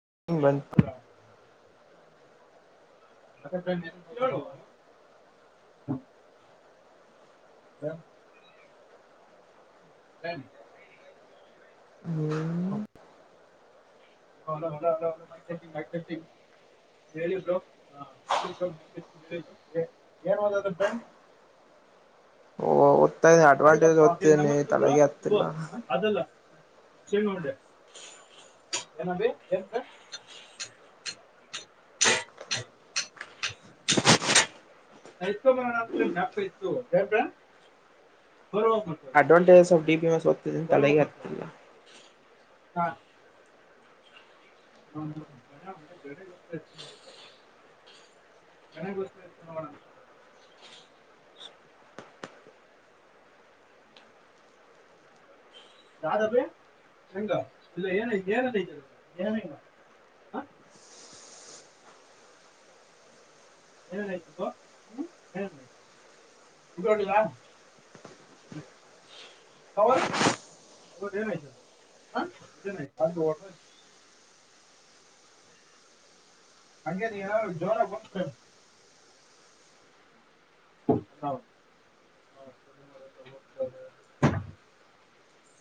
[unintelligible] [inaudible] [inaudible] ಹ [inaudible] ಹ್ಮ [inaudible] hello hello hello mic testing mic testing. ಹೇಳಿ ಬ್ರೋ ಹೇಳಿ ಬ್ರೋ ಮೈಕ್ ಟೆಸ್ಟಿಂಗ್ ಹೇಳಿ ಬ್ರೋ ಏನು ಓದದಂತೆ. [inaudible] ಓದ್ತಾ ಇದ ಅಡ್ವಾಂಟೇಜ್ ಅಯ್ಯಪ್ಪ ಏ ಓದ್ತಿದ್ದೀನಿ ನಂಗೊಂಚೂರು ಕೊಡೊ ತಲೆಗೆ ಶುಭು ಹತ್ತಿಲ್ಲ ಅದಲ್ಲ. ಚೇಂಜ್ ಮಾಡ್ದೆ ಏನ್ ಅಬಿ ಏನ್ ಅಂದೆ. [inaudible] ಮಕ್ಕಳು ಅಡ್ವಾಂಟೇಜಸ್ ಅಫ್ [unintelligible] ಬರುವ ತಲೆಗೆ ಮಕ್ಕಳು ಹತ್ತುತಿಲ್ಲ. [inaudible] [inaudible] ಗಣ ವಸ್ತು ಇ [unintelligible] [unintelligible] ಯಾರವೇ ಹೆಂಗ ಇಲ್ಲ ಏನು ಏನಲ್ಲ ಏನಂಗ [inaudible] [inaudible] [unintelligible] [inaudible] ಹವ ಕ [unintelligible] ಹಂಗೆ ನೀ ಜೋರ ಬ [unintelligible] [unintelligible]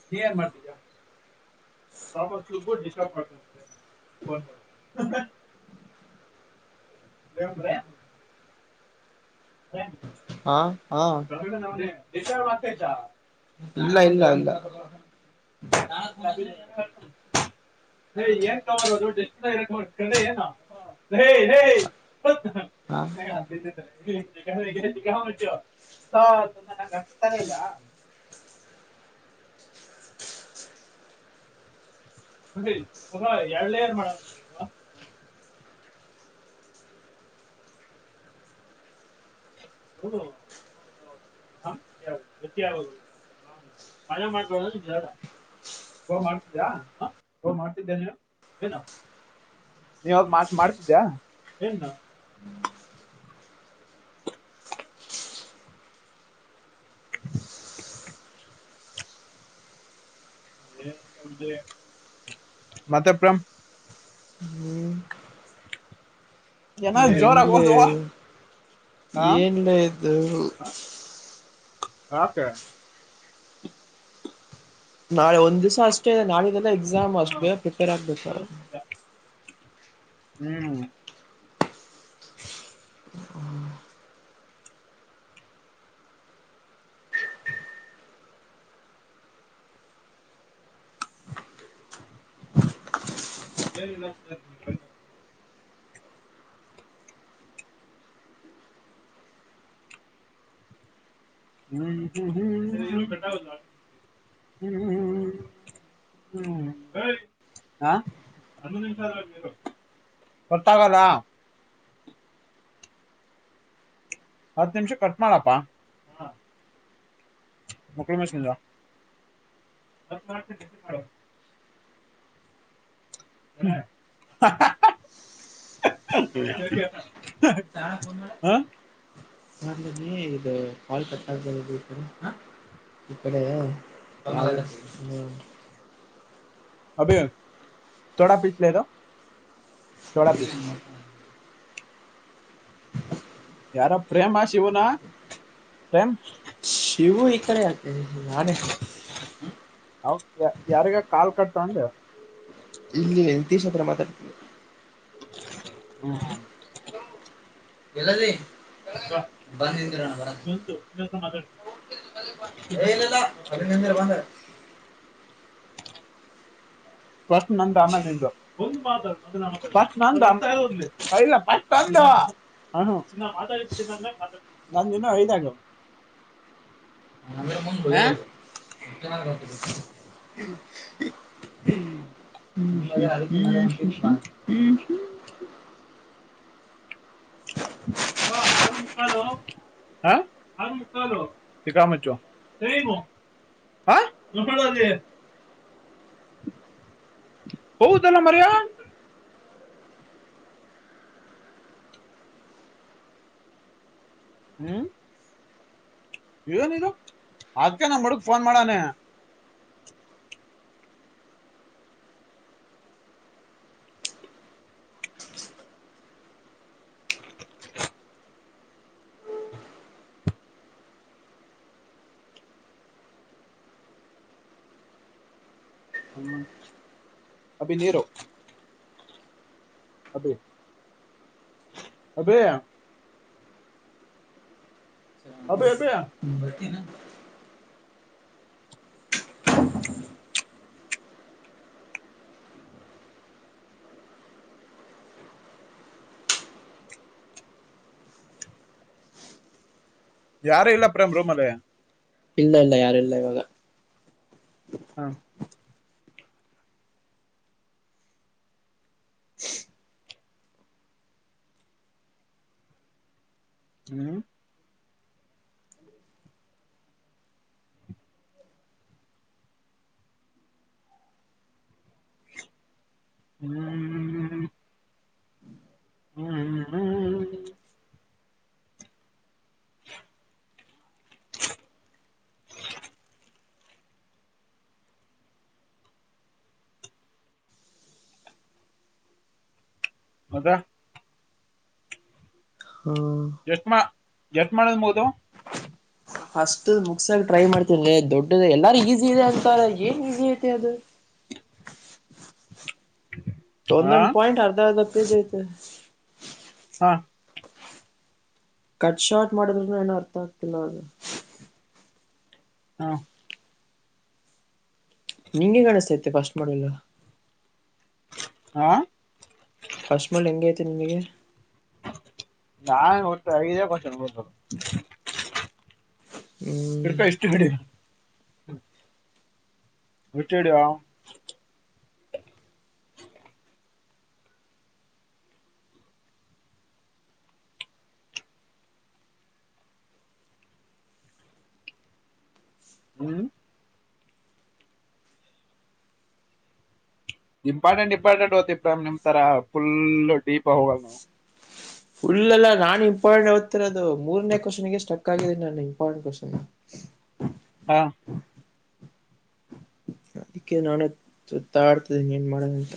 ನೀ ಏನ್ ಮಾಡ್ತಿದಿಯ. ತಾಮಸ್ಗು ಡಿಸ್ಟರ್ಬ್ ಮಾಡ್ತಾನಂತೆ ಫೋನ್ ಮಾಡಿ. [inaudible] [inaudible] ಹಾ ಹಾ ದಶ ಮಾತ ಚ [inaudible] ಇಲ್ಲ ಇಲ್ಲ ಇಲ್ಲ ಅಭ ಯನತ [inaudible] [inaudible] [unintelligible] ನ ಏನ್ ಕಾರೋದು ಎಸ್ಏ ಏನ ಹೇಯ್ ಹೇಯ್ [inaudible] [unintelligible] ಹ ಹಾ ಅದು ನ ನ ಕಷ್ಟತಾನ ಇಲ್ಲ [inaudible] ಅ ಎಳ್ ಏನ್ ಮಾಡ [unintelligible] ುದ [unintelligible] ಮನೆೆ ಮಾಡ್ಬ ನಿಾರ [unintelligible] ಹೋ ಮಾಡ್ತಿದ್ದಾ ಹ ಹೋ ಮಾಡ್ತಿದ್ದೆ ನೀನು ಏನು ನಿ ಹೋಗ್ ಮಾಡ್ ಮಾಡ್ ಮಾಡ್ತಿದ್ದ್ಯಾ ಏನ್ ನ ಮತ್ತಪರಮ [inaudible] ಚನ್ನಾಗ್ ಜೋರಾಗ್ ಓದು ಏನ್ಲ ಇದು ಯಾಕೆ ನಾಳೆ ಒಂದ್ ದಿಸ ಅಷ್ಟೇ ನಾಳೆದೆಲ್ಲಾ ಎಕ್ಸಾಮ್ ಹಾ ಅಷ್ಟ್ ಬೇಗ ಪ್ರಿಪೇರ್ ಆಗ್ಬೇಕು ಅದೊಂದು ನಿಜ ಹ್ಮ್ ಏನ್ ಇಲ್ಲ ಸರ್ ಹ್ಮ್ ಹ್ಮ್ ಹ್ಮ್ ಹ್ಮ್ ಹ್ಮ [unintelligible] ಹ್ಮ್ ಹೇಯ್ ಹಾ [unintelligible] ಹೊತ್ತಾಗದಾ ಹತ್ ನಿಮಿಷ ಕಟ್ ಮಾಡಪ್ಪಾ ಮ ಮ [unintelligible] ಹ್ಮ [inaudible] [inaudible] ಹಾ ಎ ಇದು ಕಾಲ್ ಕಟ್ ಆಗ್ದೇ [unintelligible] ಇಕಡೆ ಹ್ಮ [inaudible] ಅಭಿ ತೋಡಾ ಪೀಸ [unintelligible] ಲದ ತೋಡ ಪೀಸ್ ಯಾರ ಪ್ರೇಮ ಶಿವುನ ಪ್ರೇಮ್ ಶಿವು ಈ ಕಡೆ ಆಕ ನಾನೆ ಹ ಯ ಯಾರಿಗ ಕಾಲ್ ಕಟ್ತೊಂಡ್ ಸ [inaudible] ಹ್ಮ್ ಹ್ಮ [inaudible] ಎಲ್ಲದಿ ಬಂದಿದಿರ ಬ ಇನ್ನೊಂದು ಇನ್ನೊಂದ್ಸಲ ಮಾತಾಡು ಇಲ್ಲಿಲ್ಲಾ ಅಲ್ಲೆ ನಿಂದಿರ್ ಬಂದ ಪಸ್ಟ್ ನಂದ್ ಆಮೇಲ್ ನಿಂದ್ [unintelligible] ಪಸ್ಟ್ ನಂದ್ ಇಲ್ಲ ಪಸ್ಟ್ ನಂದ್ [inaudible] ಹ ಚನ್ನ [unintelligible] ಮಾತಾಡಂದ ನಂದ್ ಇನ್ನ ಐದಾಗ ಹ ನಮೇರ ಮನ್ ಬಲ ಆ ರ [unintelligible] [unintelligible] ಹ್ಮ ಹ್ಮ್ ಹಾ ಆರು ಮುಕ್ಕಾಲು ಹಾ ಆರು ಮುಕ್ಕಾಲು ತಿಕ ಮುಚ್ಚು ಹಾ [unintelligible] [inaudible] ಹದಲ್ಲ ಮರೆಯ ಹ್ಮ್ ವನಿದು ಅದಕ ನಾ ಮುಡಗ್ ಫೋನ್ ಮಾಡಾನೆ ಹ್ಮ ಅಭಿ ನೀರೋ ಅದೇ ಅದೇ ಅಭಿ ಅಭಿ ಬರ್ತ ನ ಯಾರು ಇಲ್ಲ ಪ್ರೇಮ್ ರೋಮಾಲಯ ಇಲ್ಲ ಇಲ್ಲ ಯಾರು ಇಲ್ಲ ಇವಾಗ ಹಾ ಹ್ಮ್ ಹ್ಮ್್ಮ ಹ್ಮ್ ಹ್ಮ್ ಹ್ಮ್ ಹ್ಮ್ [inaudible] ಮದ ಹಾ ಎಟ್ ಮಾಡುದುಬೋದು ಫಸ್ಟ್ ಮುಗಸಾಗ ಟ್ರೈ ಮಾಡ್ತೇನ್ ದೊಡ್ಡದು ಎಲ್ಲಾರ ಈಸಿ ಇದೆ ಅಂತ ಏನ್ ಈಸಿ ಐತಿ ಅದು [inaudible] ಹಾ ಒಂದೊಂದ್ ಪಾಯಿಂಟ್ ಅರ್ಧ ಅರ್ಧ ಪೇಜ್ ಐತೆ ಹ ಕಟ್ ಶಾರ್ಟ್ ಮಾಡಿದ್ನು ಏನೂ ಅರ್ಥ ಆಗ್ತಿಲ್ಲ ಅಾಗ ಹಾ ನಿಂಗೆ ಕಾಣಿಸ್ತೈತೆ ಫಸ್ಟ್ ಮಾಡೆಲ್ಲ ಹಾ ಫಸ್ಟ್ ಮಾಡಿ ಹೆಂಗೈತೆ ನಿನಗೆ ನಾ ಟ್ಟಗ ಕೊಷ ಹ್ಮ್ ಕರ್ಕ ಇಷ್ಟು ಕಡೆ ವಿಟ್ಟಡ ಹ್ಮ್ ಇಂಪಾರ್ಟೆಂಟ್ ಇಂಪಾರ್ಟೆಂಟ್ ಓತಿ ಪ್ರ್ರಮ್ ನಿಮ್ ತರ ಫುಲ್ ಡೀಪ್ ಹೋಗಲ್ಲ ನೀವು ಫುಲ್ಲ್ಲ ನಾನು ಇಂಪಾರ್ಟೆಂಟ್ ಓ್ತಿರೋದು ಮೂರನೇ ಕ್ವನ್ ಗೆ ಸ್ಟಕ್ ಆಗಿದ್ದೀನಿ ನು ಇಂಪಾರ್ಟೆಂಟ್ ಕ್ವನ್ ಹ ಹಾ ಅದಕ್ಕೆ ನಾನುುತ್ತಾ ಆಡ್ತಿದ್ದೀನಿ ಏನ್ ಮಾಡದಂತ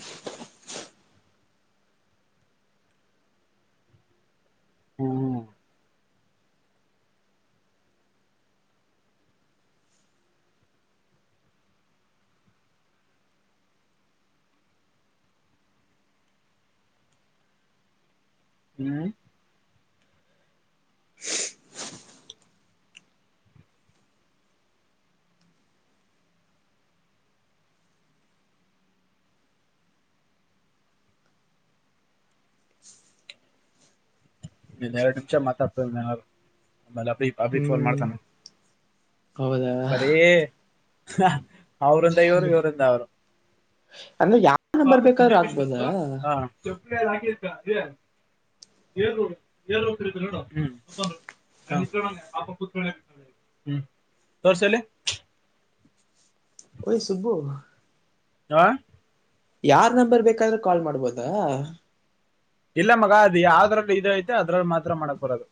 ಹ್ಮ್ ಹ್ಮ ಹ್ಮ್ ನೀನ್ ಎರಡು ನಿಮಷ ಮಾತಾತೇಲೆ ಅಬ ಅಬಿ ಫೋನ್ ಹ್ಮ್ ಮಾಡ್ತಾನ [inaudible] ಬರೀ ಅವರುಂದ ಇವ್ರು ಇವ್ರಂದ ಅವ್ರು ಅಂದ್ರೆ ಯಾವ ನ ಬರ್ಬೇಕಾದ್ೂ ಆಗ್ಬೋದಾ ಾಕಿ ಏ ಏಡೊ ಹ್ಮ ತೋರ್ಸಲೆ ಐ ಸುಬ್ಬು ಹ ಯಾರ್ ನಂಬರ್ ಬೇಕಾದ್ರು ಕಾಲ್ ಮಾಡ್ಬೋದಾ? ಇಲ್ಲ ಮಗ ಅದು ಯಾವ್ದ್ರಲ್ಲ ಇದ ಐತೆ ಅದ್ರಲ್ಲಿ ಮಾತ್ರ ಮಾಡಕ್ ಬರೋದು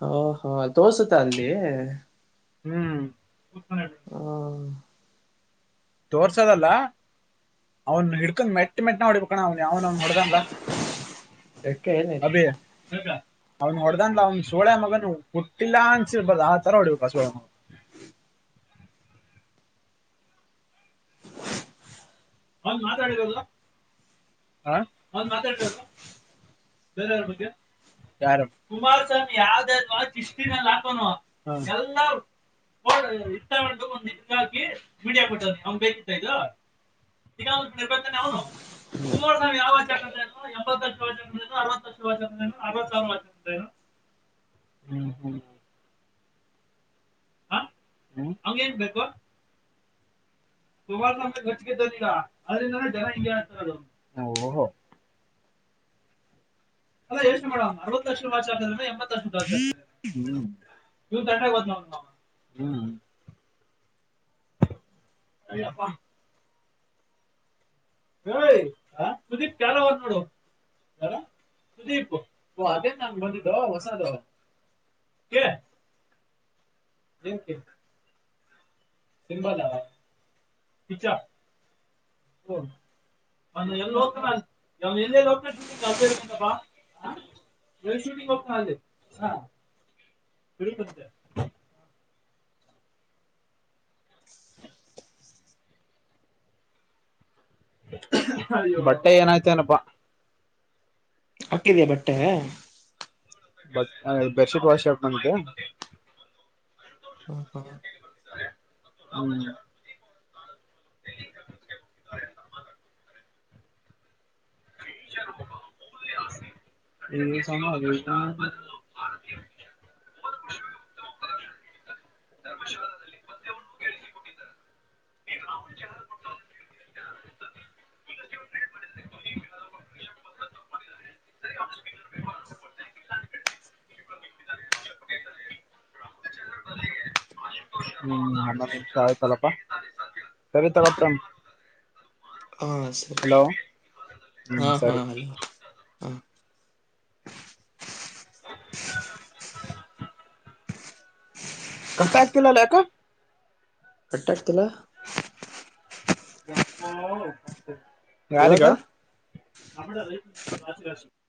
ಹ ಹಾ ತೋಸತ ಅಲ್ಲಿಲ್ಲಿ ಹ್ಮ್ ಹ್ಮ ತೋರ್ಸೋದಲ್ಲ ಅವ್ನ್ ಹಿಡ್ಕೊಂಡ್ ಮೆಟ್ಟ ಮೆಟ್ಟ ನ ಹೊಬೇಕ ಣ ಅವ ಅವನ ಅವನ್ ಹೊಡ್ದಂಗ ರೆಕ್ಕೆ ಏನಾಯ್ತು ಅಬ ಅವ್ನ ಹೊಡ್ದಂದ ಅವ್ನ ಸುಳೆ ಮಗನು ಹುಟ್ಟಿಲ್ಲ ಅನ್ಸಿರ್ಬಾರ್ದ ಆ ತರ ಹೊಡ್ಬೇಕ ಸುಳೆ ಮಗ [unintelligible] ಅವನ್ ಮಾತಾಡಿರೋದು ಅ ಅವ್ನ್ ಮಾತಾಡಿರೋದು ಬೇರೆಯವ್ರ್ ಬಗ್ಗೆ ಯಾರು? ಕುಮಾರಸ್ವಾಮಿ ಯಾವ್ದ್ ಯಾವ್ದ್ ಮಾತ್ ಹಿಸ್ಟ್ರಿನಲ್ ಹಾಕೌನೋ ಎಲ್ಲಾ [unintelligible] [unintelligible] ಹ್ಮ್ ಕುಮಾರಸ್ವಾಮಿ ಯಾವ್ ವಾಚ್ ಹಾಕುದ್ರೇನು ಎಂಬತ್ ಲಕ್ಷದ್ ವಾಚ್ ಹಾಕುದ್ರೇನು ಅರ್ವತ್ ಲಕ್ಷದ್ ವಾಚ್ ಹಾಕುದ್ರೇನು ಅರವತ್ ಸಾವೃದ್ ವಾಚ್ ಹಾಕುದ್ರೇನು? [inaudible] ಹ್ಮ್ ಹ್ಮ್ ಹ ಹ್ಮ ನಮ್ಗೇನ್ ಬೇಕು? ಕುಮಾರಸ್ವಾಮಿ ರೊಚ್ಗೆದ್ದೌರ್ ಈಗ ಅದ್ರಿಂದಾನೆ ಜನ ಹಿಂಗೆ ಹೇಳ್ತಾಯಿರೋದು. ಓಹೋ ಅಲ್ಲ ಯೋಚ್ನೆ ಮಾಡು ಅರವತ್ ಲಕ್ಷದ್ ವಾಚ್ ಆದ್ರೇನು ಎಂಬತ್ ಲಕ್ಷದ್ ವಾಚ್ ಆದ್ರೇನು? ಯೂರ್ ತಂಟೆಗ್ ಹೋದ್ನಾ ಅವ್ನು? ಹ್ಮ್ ಅಯ್ಯಪ್ಪ ಏಯ್ ಅ ಸುದೀಪ್ [unintelligible] ನೋಡು. ಏನು ಸುದೀಪು ಓ ಅದೇನ ಹಂಗ್ ಬಂದಿದ್ದು ಹೊಸಾದು? [inaudible] ಏನ್ ಕೇಳ್ದ? ಇಲ್ವಲ್ಲ ಕಿಚ್ಚ ಫೋನ್ ಅವ್ನ್ ಎಲ್ ಹೋಗ್ತಾನಲ್ ಅವ್ನ್ ಎಲ್ಲೆಲ್ ಹೋಗ್ತಾನ್ ಶೂಟಿಂಗ್ ಅಲ್ [unintelligible] ಅ ಎಲ್ ಶೂಟಿಂಗ್ ಹೋಗ್ತಾನಲ್ಲಿ ಅ [unintelligible] ಅಯ್ಯೋ ಬಟ್ಟೆ ಏನಾಯ್ತ್ ಏನಪ್ಪಾ? ಹಾಕಿದ್ಯಾ ಬಟ್ಟೆ? ಬಟ್ ಆ ಇಲ್ ಬೆಶೀಟ್ ವಾಶ್ ಹಾಕುವಂತೆ [unintelligible] ಹ್ಮ್ [inaudible] ಏ ಸಮ [unintelligible] [unintelligible] ಆಯ್ತಲ್ಲಪ್ಪ ಸರಿ [unintelligible] ಹಾಂ ಸರಿ ಹಲೋ ಹ್ಮ್ ಹಾಂ ಸರಿ ಹಾಂ ಅಲ್ಲಿ ಅ ಕಟ್ಟೆ ಆಗ್ತಿಲ್ಲಲ್ಲ ಯಾಕ? ಕಟ್ ಆಗ್ತಿಲ್ಲ? ಯಾರಿಗೋ? ಇವಾಗ [unintelligible]